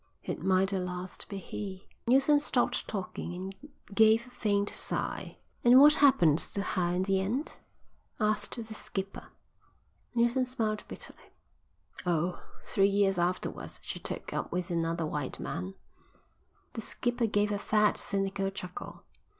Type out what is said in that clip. It might at last be he." Neilson stopped talking and gave a faint sigh. "And what happened to her in the end?" asked the skipper. Neilson smiled bitterly. "Oh, three years afterwards she took up with another white man." The skipper gave a fat, cynical chuckle.